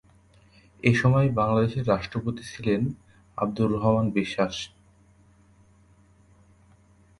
এসময় বাংলাদেশের রাষ্ট্রপতি ছিলেন আবদুর রহমান বিশ্বাস।